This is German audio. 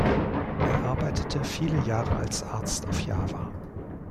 Er arbeitete viele Jahre als Arzt auf Java.